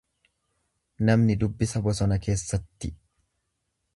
Namni dubbisa bosona keessatti.